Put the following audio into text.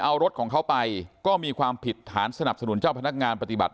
เอารถของเขาไปก็มีความผิดฐานสนับสนุนเจ้าพนักงานปฏิบัติ